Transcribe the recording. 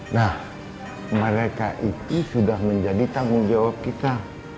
nah mereka itu sudah menjadi tanggung jawab kita